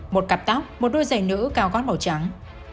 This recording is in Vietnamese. một cặp tóc một đôi giày nữ cao gác màu trắng